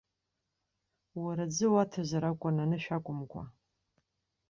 Уара аӡы уаҭазар акәын, анышә акәымкәа!